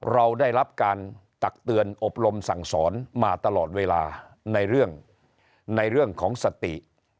เราได้รับการตักเตือนอบรมสั่งสอนมาตลอดเวลาในเรื่องในเรื่องของสติ